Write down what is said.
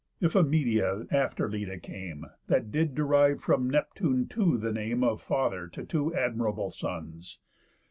Iphimedia after Leda came, That did derive from Neptune too the name Of father to two admirable sons.